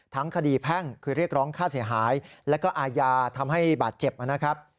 ทั้งคดีแพ่งคือเรียกร้องค่าเสียหายและก็อาญาทำให้บาดเจ็บนะครับ